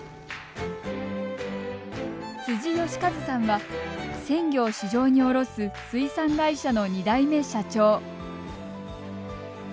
辻義一さんは鮮魚を市場に卸す水産会社の２代目社長。